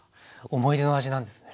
思い出の味なんですね。